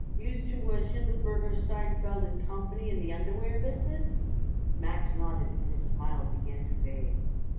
"Used to was Schindelberger, Steinfeld & Company in the underwear business?" Max nodded and his smile began to fade.